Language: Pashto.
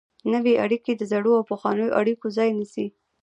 نوې اړیکې د زړو او پخوانیو اړیکو ځای نیسي.